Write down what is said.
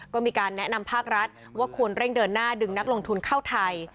ก็มีการแนะนำภาครัฐว่าควรเร่งเดินหน้าดึงนักลงทุนเข้าไทย